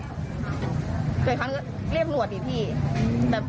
เจออีกครั้งเยี่ยมหน่วดดิพี่